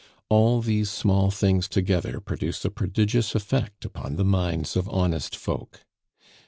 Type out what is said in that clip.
All these small things together produce a prodigious effect upon the minds of honest folk.